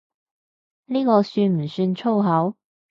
呢個算唔算粗口？